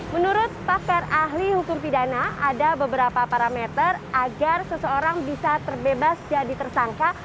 menurut pakar ahli hukum pidana ada beberapa parameter agar seseorang bisa terbebas jadi tersangka